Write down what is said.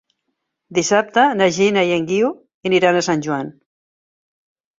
Dissabte na Gina i en Guiu aniran a Sant Joan.